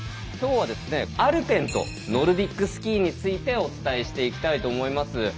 今日はアルペンとノルディックスキーについてお伝えしていきたいと思います。